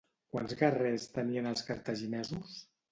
Quants guerrers tenien els cartaginesos?